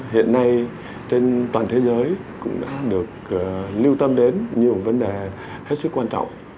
hiện nay trên toàn thế giới cũng đã được lưu tâm đến nhiều vấn đề hết sức quan trọng